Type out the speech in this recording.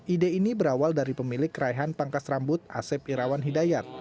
ide ini berawal dari pemilik raihan pangkas rambut asep irawan hidayat